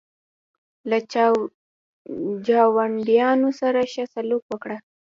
له چاونډیانو سره ښه سلوک وکړه.